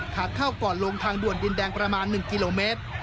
หากเข้าก่อนลงทางด่วนดินแดงประมาณ๑กิโลเมตร